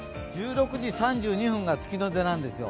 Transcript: １６時３２分が月の出なんですよ。